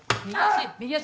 右足！